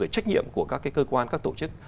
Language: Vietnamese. trách nhiệm của các cơ quan các tổ chức